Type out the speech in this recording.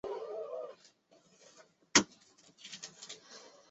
平等主义是一种强调全人类平等的学术思想。